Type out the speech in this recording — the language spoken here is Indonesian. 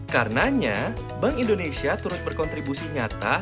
karenanya bank indonesia turut berkontribusi nyata